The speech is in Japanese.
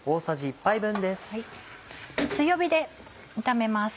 強火で炒めます。